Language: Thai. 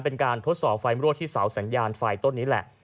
เป็นการทดสอบไฟรั่วที่เสาสัญญาณไฟต้นนี้แหละ